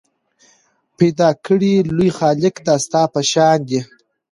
پیدا کړی لوی خالق دا ستا په شان دی